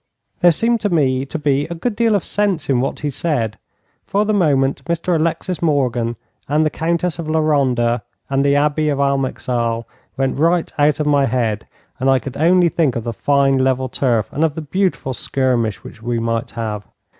There seemed to me to be a good deal of sense in what he said. For the moment Mr Alexis Morgan and the Countess of La Ronda and the Abbey of Almeixal went right out of my head, and I could only think of the fine level turf and of the beautiful skirmish which we might have.